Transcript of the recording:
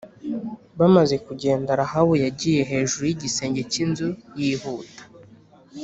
Bamaze kugenda Rahabu yagiye hejuru y igisenge cy inzu yihuta